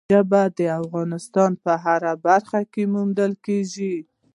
ژبې د افغانستان په هره برخه کې موندل کېږي.